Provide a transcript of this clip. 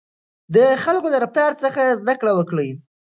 د خلکو له رفتار څخه زده کړه وکړئ.